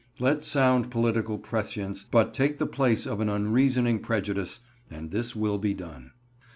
Let sound political prescience but take the place of an unreasoning prejudice, and this will be done.